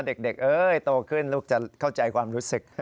เด็กโตขึ้นลูกจะเข้าใจความรู้สึก